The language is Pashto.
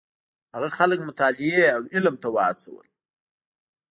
هغه خلک مطالعې او علم ته وهڅول.